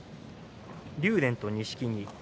竜電と錦木です。